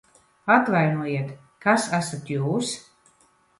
Atvainojiet, kas esat jūs?